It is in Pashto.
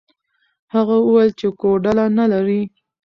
هغه وویل چې کوډله نه لري.